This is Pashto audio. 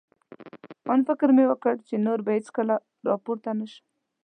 آن فکر مې وکړ، چې نور به هېڅکله را پورته نه شم.